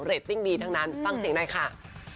ตติ้งดีทั้งนั้นฟังเสียงหน่อยค่ะ